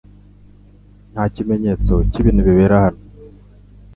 Nta kimenyetso cyibintu bibera hano.